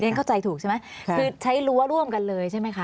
ฉันเข้าใจถูกใช่ไหมคือใช้รั้วร่วมกันเลยใช่ไหมคะ